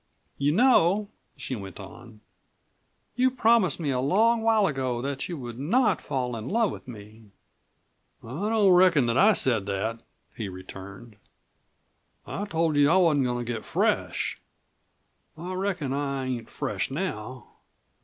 You know," she went on, "you promised me a long while ago that you would not fall in love with me." "I don't reckon that I said that," he returned. "I told you that I wasn't goin' to get fresh. I reckon I ain't fresh now.